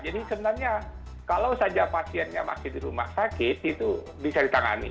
jadi sebenarnya kalau saja pasiennya masih di rumah sakit itu bisa ditangani